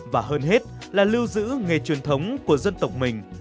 và hơn hết là lưu giữ nghề truyền thống của dân tộc mình